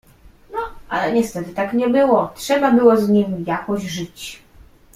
"No, ale niestety tak nie było, trzeba było z nim jakoś żyć."